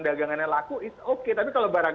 dagangannya laku it's okay tapi kalau barang